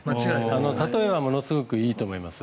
たとえがものすごくいいと思います。